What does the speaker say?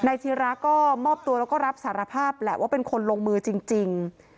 ศิราก็มอบตัวแล้วก็รับสารภาพแหละว่าเป็นคนลงมือจริง